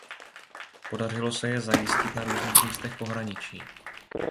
Podařilo se je zajistit na různých místech pohraničí.